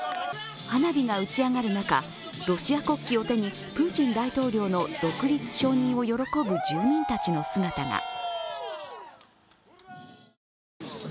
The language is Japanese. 花火が打ち上がる中、ロシア国旗を手にプーチン大統領の独立承認を喜ぶ住民たちの姿が。